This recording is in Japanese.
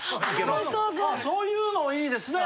まあそういうのもいいですね。